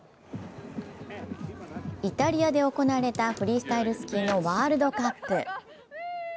イタリアで行われたフリースタイルスキーのワールドカップ。